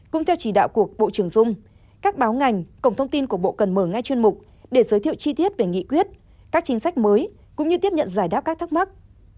cũng theo chỉ đạo của bộ trưởng dung các báo ngành cổng thông tin của bộ cần mở ngay chuyên mục để giới thiệu chi tiết về nghị quyết các chính sách mới cũng như tiếp nhận giải đáp các thắc mắc